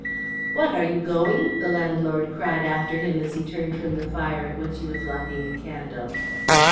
"What! Are you going?" the landlord cried after him as he turned from the fire at which he was lighting a candle.